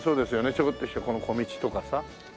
ちょこっとしたこの小道とかさ。